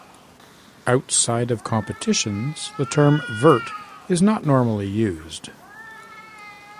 Outside of competitions, the term "vert" is not normally used.